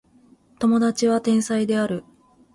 友達は天才である